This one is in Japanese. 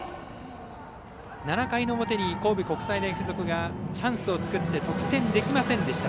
７回の表に神戸国際大付属がチャンスを作って得点できませんでした。